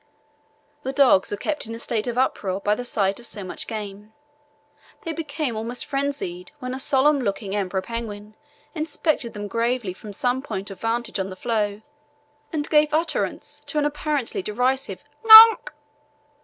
The dogs were kept in a state of uproar by the sight of so much game. They became almost frenzied when a solemn looking emperor penguin inspected them gravely from some point of vantage on the floe and gave utterance to an apparently derisive "Knark!"